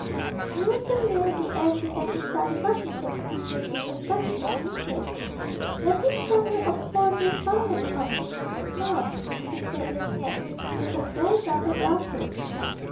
During the meal the aunt began to study Flushington's features with affectionate interest. 'There's a strong look of poor dear Simon about him when he smiles,' she said, looking at him through her gold double glasses.